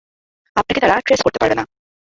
আপনাকে তারা ট্রেস করতে পারবে না।